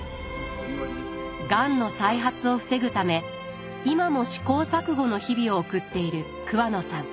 がんの再発を防ぐため今も試行錯誤の日々を送っている桑野さん。